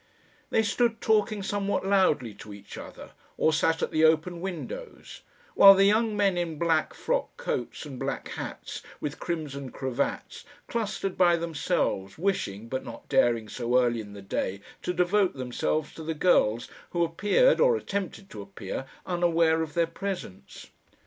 They stood talking somewhat loudly to each other, or sat at the open windows; while the young men in black frock coats and black hats, with crimson cravats, clustered by themselves, wishing, but not daring so early in the day, to devote themselves to the girls, who appeared, or attempted to appear, unaware of their presence.